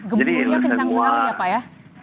gemburunya kencang sekali ya pak ya